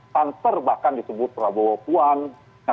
tanker bahkan disebut prabowo puan